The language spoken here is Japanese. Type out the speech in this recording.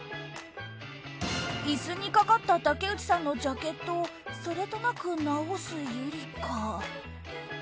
椅子にかかったタケウチさんのジャケットをそれとなく直すユリカ。